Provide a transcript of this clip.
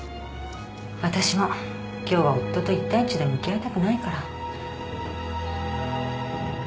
私も今日は夫と一対一で向き合いたくないから。